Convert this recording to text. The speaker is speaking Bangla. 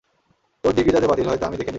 তোর ডিগ্রি যাতে বাতিল হয় তা আমি দেখে নিব।